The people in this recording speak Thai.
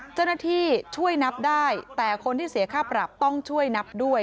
เจ้าหน้าที่ช่วยนับได้แต่คนที่เสียค่าปรับต้องช่วยนับด้วย